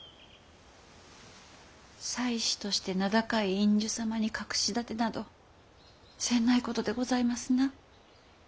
才子として名高い院主様に隠し立てなど詮ないことでございますな。